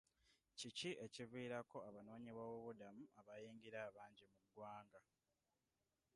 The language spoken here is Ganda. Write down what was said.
Kiki ekiviirako abanoonyiboobubudamu abayingira abangi mu ggwanga?